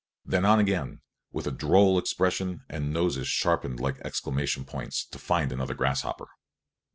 Then on again, with a droll expression and noses sharpened like exclamation points, to find another grasshopper.